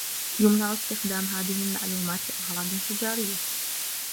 يمنع استخدام هذه المعلومات لأغراض تجارية.